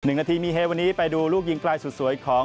นาทีมีเฮวันนี้ไปดูลูกยิงไกลสุดสวยของ